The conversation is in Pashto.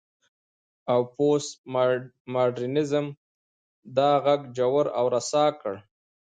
او پوسټ ماډرنيزم دا غږ ژور او رسا کړ.